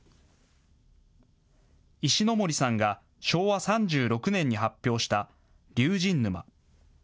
石ノ森さんが昭和３６年に発表した龍神沼。